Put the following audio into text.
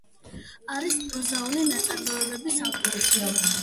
არის პროზაული ნაწარმოებების ავტორი.